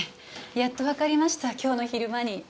やっとわかりました今日の昼間に。